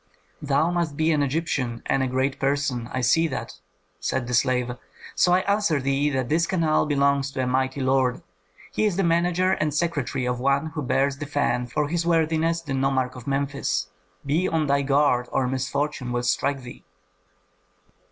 "Thou must be an Egyptian and a great person, I see that," said the slave; "so I answer thee that this canal belongs to a mighty lord; he is the manager and secretary of one who bears the fan for his worthiness the nomarch of Memphis. Be on thy guard or misfortune will strike thee!"